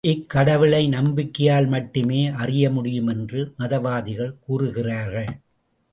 இக்கடவுளை நம்பிக்கையால் மட்டுமே அறிய முடியும் என்று மதவாதிகள் கூறுகிறார்கள்.